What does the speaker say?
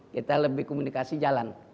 kita lebih komunikasi jalan